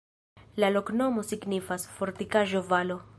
La loknomo signifas: fortikaĵo-valo.